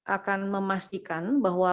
akan memastikan bahwa